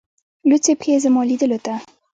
لڅي پښې زما لیدولو ته